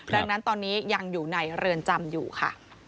ดังนั้นตอนนี้ยังอยู่ในเรือนจำอยู่ค่ะ